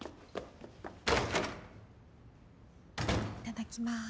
いただきます。